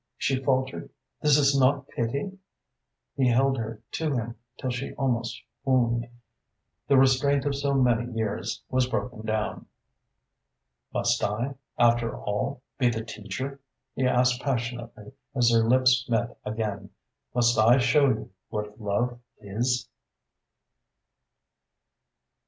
she faltered. "This is not pity?" He held her to him till she almost swooned. The restraint of so many years was broken down. "Must I, after all, be the teacher?" he asked passionately, as their lips met again. "Must I show you what love is?"